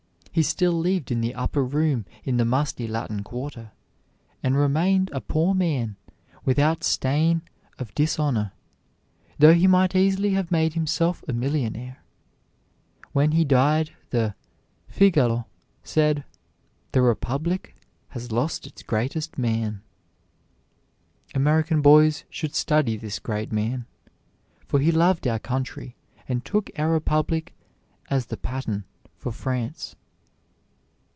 He still lived in the upper room in the musty Latin Quarter, and remained a poor man, without stain of dishonor, though he might easily have made himself a millionaire. When he died the "Figaro" said, "The Republic has lost its greatest man." American boys should study this great man, for he loved our country, and took our Republic as the pattern for France.